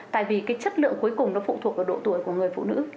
tại vì chất lượng cuối cùng phụ thuộc vào độ tuổi của người phụ nữ